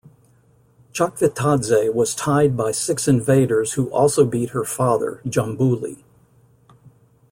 Chakvetadze was tied by six invaders who also beat her father, Djambuli.